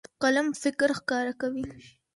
قلم فکر ښکاره کوي.